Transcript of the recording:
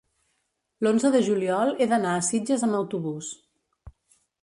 l'onze de juliol he d'anar a Sitges amb autobús.